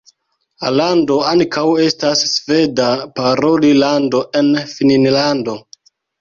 Alando ankaŭ estas Sveda-paroli lando en Finnlando.